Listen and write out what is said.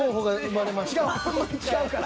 違うから。